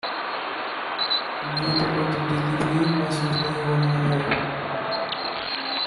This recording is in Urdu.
مجھے تو کوئی تبدیلی بھی محسوس نہیں ہو رہی ہے۔